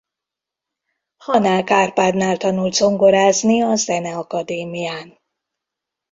Hanák Árpádnál tanult zongorázni a Zeneakadémián.